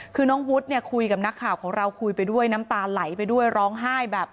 คือน้องวุฒิเนี่ยคุยกับนักข่าวของเราคุยไปด้วยน้ำตาไหลไปด้วยร้องไห้แบบ